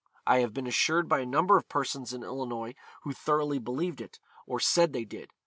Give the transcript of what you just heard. I have been assured by a number of persons in Illinois who thoroughly believed it, or said they did.